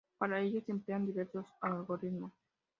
Para ello, se emplean diversos algoritmos.